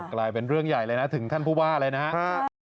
กลายเป็นเรื่องใหญ่เลยนะถึงท่านผู้ว่าเลยนะครับ